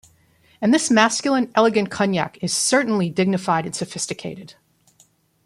And this masculine, elegant Cognac is certainly dignified and sophisticated.